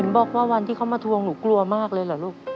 บอกว่าวันที่เขามาทวงหนูกลัวมากเลยเหรอลูก